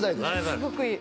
すごくいい！